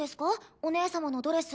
お姉様のドレス。